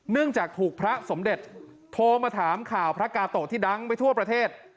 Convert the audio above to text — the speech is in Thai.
จากถูกพระสมเด็จโทรมาถามข่าวพระกาโตะที่ดังไปทั่วประเทศ